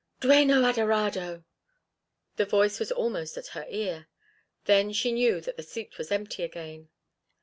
"Dueño adorado!" The voice was almost at her ear. Then she knew that the seat was empty again.